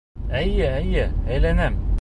Эйе, эйе, әйләнәм!